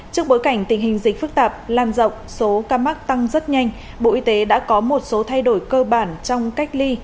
trước bối cảnh tình hình dịch phức tạp lan rộng số ca mắc tăng rất nhanh bộ y tế đã có một số thay đổi cơ bản trong cách ly